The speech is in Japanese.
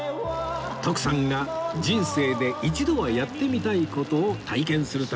徳さんが人生で一度はやってみたい事を体験する旅